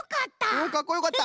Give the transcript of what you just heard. うんかっこよかった！